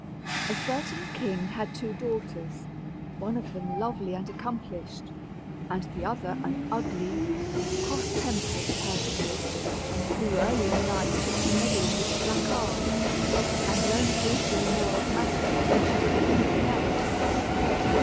] A certain king had two daughters, one of them lovely and accomplished, and the other an ugly, cross tempered personage, who early in life took to meddling with the black arts, and learned a great deal more of magic than she did of any thing else.